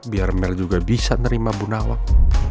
biar mel juga bisa nerima bu nawang